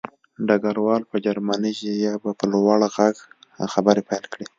ډګروال په جرمني ژبه په لوړ غږ خبرې پیل کړې